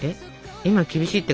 今は厳しいってか？